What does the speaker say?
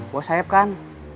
bos saeb kan